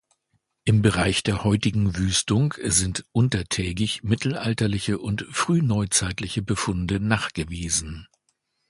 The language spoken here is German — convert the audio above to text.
Im Bereich der heutigen Wüstung sind untertägig mittelalterliche und frühneuzeitliche Befunde nachgewiesen.